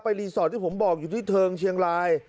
รีสอร์ทที่ผมบอกอยู่ที่เทิงเชียงราย